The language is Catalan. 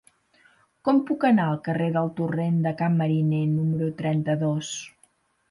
Com puc anar al carrer del Torrent de Can Mariner número trenta-dos?